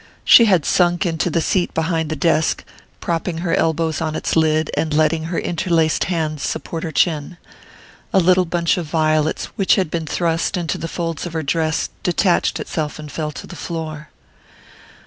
She had sunk into the seat behind the desk, propping her elbows on its lid, and letting her interlaced hands support her chin. A little bunch of violets which had been thrust into the folds of her dress detached itself and fell to the floor.